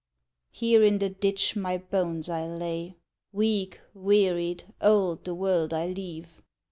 Here in the ditch my bones I'll lay; Weak, wearied, old, the world I leave.